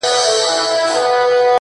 ما خو څو واره ازمويلى كنه!!